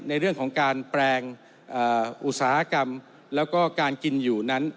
ในเรื่องของการแปลงอุตสาหกรรมแล้วก็การกินอยู่นั้น